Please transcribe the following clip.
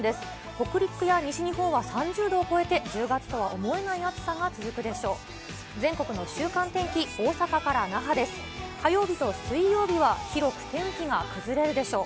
北陸や西日本は３０度を超えて、１０月とは思えない暑さが続くでしょう。